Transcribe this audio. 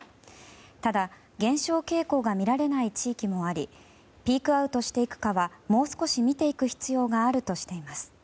ただ、減少傾向が見られない地域もありピークアウトしていくかはもう少し見ていく必要があるとしています。